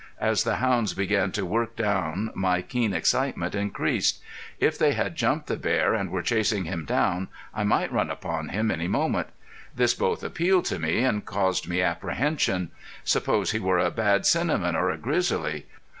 As the hounds began to work down my keen excitement increased. If they had jumped the bear and were chasing him down I might run upon him any moment. This both appealed to me and caused me apprehension. Suppose he were a bad cinnamon or a grizzly?